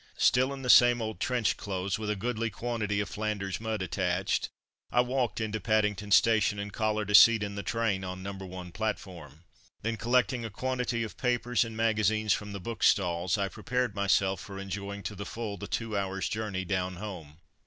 Still in the same old trench clothes, with a goodly quantity of Flanders mud attached, I walked into Paddington station, and collared a seat in the train on Number 1 platform. Then, collecting a quantity of papers and magazines from the bookstalls, I prepared myself for enjoying to the full the two hours' journey down home.